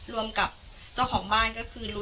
รวมกับเจ้าของบ้านก็คือรุนกันเนี่ยครับผม